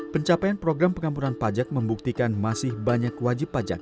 pencapaian program pengampunan pajak membuktikan masih banyak wajib pajak